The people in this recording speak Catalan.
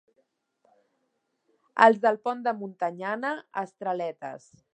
Els del Pont de Montanyana, estraletes.